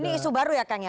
ini isu baru ya kang ya